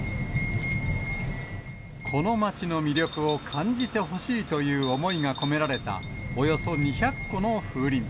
この街の魅力を感じてほしいという思いが込められた、およそ２００個の風鈴。